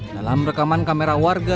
dalam rekaman kamera warga